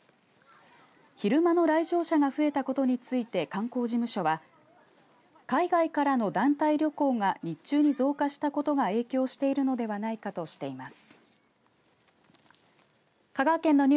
昼間の来場者が増えたことについて観光事務所は海外からの団体旅行が日中に増加したことが影響しているのではないかとしています。